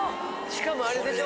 しかもあれでしょ。